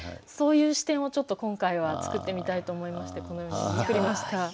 そういう視点をちょっと今回は作ってみたいと思いましてこのように作りました。